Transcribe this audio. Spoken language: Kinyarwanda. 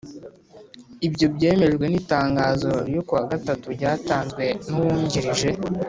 ibyo byemejwe n'itangazo ryo ku wa gatatu ryatanzwe n'uwungirije